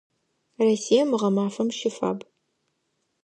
Россием гъэмафэм щыфаб.